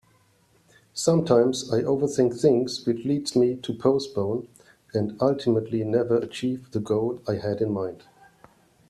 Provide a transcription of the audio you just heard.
Sometimes I overthink things which leads me to postpone and ultimately never achieve the goal I had in mind.